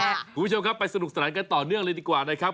คุณผู้ชมครับไปสนุกสนานกันต่อเนื่องเลยดีกว่านะครับ